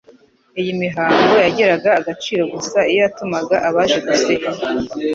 Iyi mihango yagiraga agaciro gusa iyo yatumaga abaje gusenga